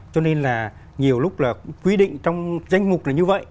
cho nên là nhiều lúc là quy định trong danh mục là như vậy